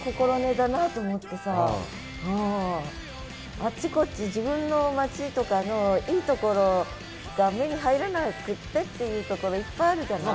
あっちこっち自分の町とかのいいところが目に入らなくてっていうところいっぱいあるじゃない。